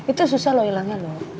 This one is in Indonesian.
itu susah loh hilangnya loh